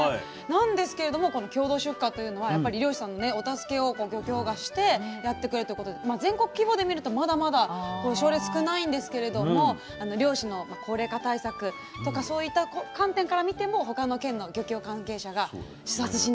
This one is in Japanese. なんですけれどもこの共同出荷というのは漁師さんのお助けを漁協がしてやってくれるということで全国規模で見るとまだまだ例少ないんですけれども漁師の高齢化対策とかそういった観点から見ても他の県の漁協関係者が視察しに来たりとかして。